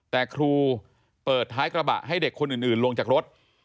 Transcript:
แต่ครูเปิดท้ายกระบะให้เด็กคนอื่นลงจากรถ